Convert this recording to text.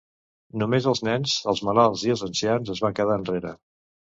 Només els nens, els malalts i els ancians es van quedar enrere.